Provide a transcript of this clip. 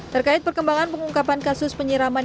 terkait perkembangan pengungkapan kasus penyiraman